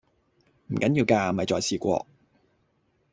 唔緊要㗎，咪再試過